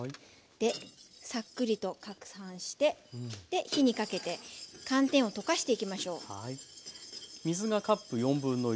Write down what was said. サックリとかくはんして火にかけて寒天を溶かしていきましょう。